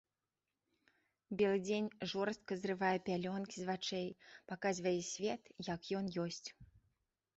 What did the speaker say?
Белы дзень жорстка зрывае пялёнкі з вачэй, паказвае свет, як ён ёсць.